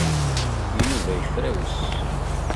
Yuba yefrawes.